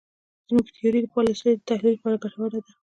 زموږ تیوري د پالیسیو د تحلیل لپاره ګټوره ده.